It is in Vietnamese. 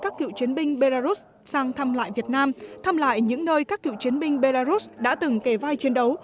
các cựu chiến binh belarus sang thăm lại việt nam thăm lại những nơi các cựu chiến binh belarus đã từng kề vai chiến đấu